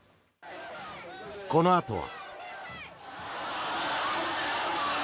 このあとは。